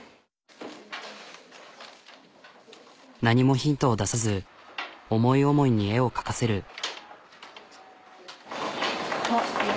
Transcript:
何もヒントを出さず思い思いに絵を描かせる。